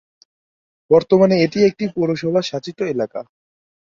বর্তমানে এটি একটি পৌরসভা শাসিত এলাকা।